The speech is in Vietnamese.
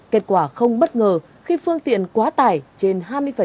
kết quả không bất ngờ khi phương tiện quá tải trên hai mươi